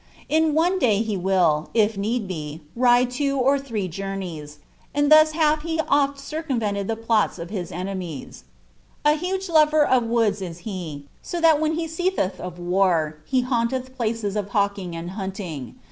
In one day he will, if neeJ be, riile two at three journeys, and thus bath ho oft circnmvenled the plots of bia a» mies. A huge lover of woods is he, bo tliat when he ceaaelh of war be haimletti phices of hawking and hunting.